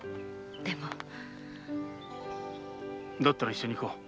だったら一緒に行こう。